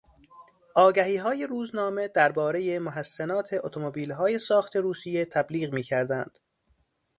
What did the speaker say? آگهیهای روزنامه دربارهی محسنات اتومبیلهای ساخت روسیه تبلیغ میکردند.